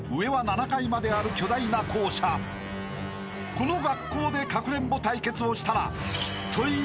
［この学校でかくれんぼ対決をしたら］